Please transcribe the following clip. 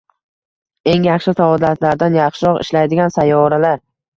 eng yaxshi soatlardan yaxshiroq «ishlaydigan» sayyoralar